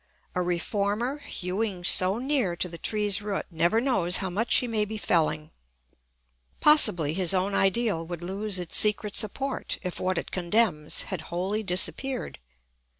A reformer hewing so near to the tree's root never knows how much he may be felling. Possibly his own ideal would lose its secret support if what it condemns had wholly disappeared.